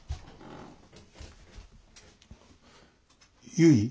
ゆい？